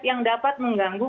yang dapat mengganggu